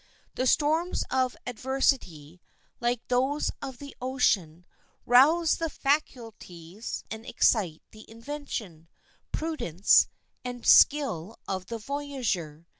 The storms of adversity, like those of the ocean, rouse the faculties and excite the invention, prudence, and skill of the voyager.